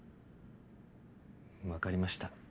わかりました。